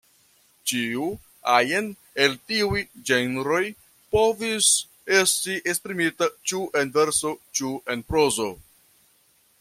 Ĉiu ajn el tiuj ĝenroj povis estis esprimita ĉu en verso ĉu en prozo.